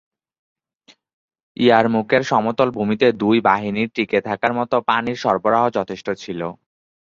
ইয়ারমুকের সমতল ভূমিতে দুই বাহিনীর টিকে থাকার মত পানির সরবরাহ যথেষ্ট ছিল।